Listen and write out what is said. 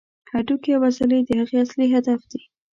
هډوکي او عضلې د هغې اصلي هدف دي.